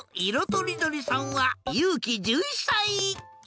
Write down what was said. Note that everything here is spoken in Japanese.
とりどりさんはゆうき１１さい。